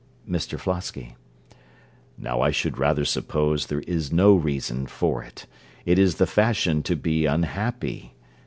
MR FLOSKY Now I should rather suppose there is no reason for it: it is the fashion to be unhappy.